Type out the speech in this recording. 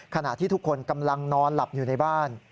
ขณะที่ทุกคนกำลังนอนหลับอยู่ในบ้าน